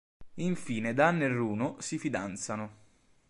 Infine Dan e Runo si fidanzano.